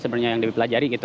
sebenarnya yang dipelajari gitu